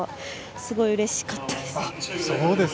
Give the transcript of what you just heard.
すごいうれしかったです。